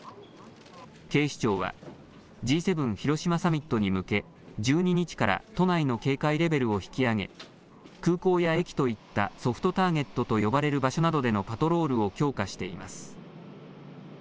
警視庁はＧ７広島サミットに向け１２日から都内の警戒レベルを引き上げ空港や駅といったソフトターゲットと呼ばれる場所などでのパトロールを強化しています。